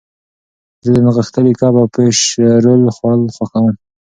زه د نغښتلي کب او فش رول خوړل خوښوم.